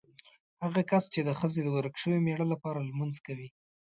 هغه کس چې د ښځې د ورک شوي مېړه لپاره لمونځ کوي.